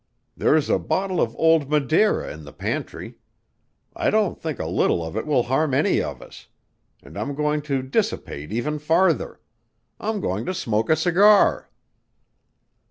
There's a bottle of old Madeira in the pantry. I don't think a little of it will harm any of us ... and I'm going to dissipate even farther. I'm going to smoke a cigar."